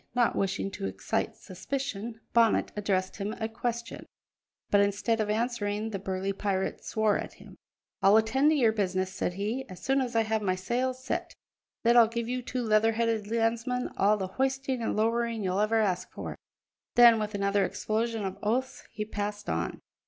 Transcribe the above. Not wishing to excite suspicion, Bonnet addressed him a question, but instead of answering the burly pirate swore at him. "I'll attend to your business," said he, "as soon as I have my sails set; then I'll give you two leather headed landsmen all the hoisting and lowering you'll ever ask for." Then with another explosion of oaths he passed on.